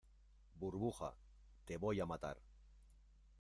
burbuja, te voy a matar.